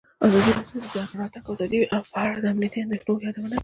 ازادي راډیو د د تګ راتګ ازادي په اړه د امنیتي اندېښنو یادونه کړې.